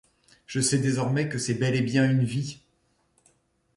Je sais désormais que c’est bel et bien une vie.